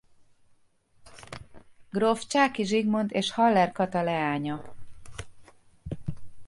Gróf Csáky Zsigmond és Haller Kata leánya.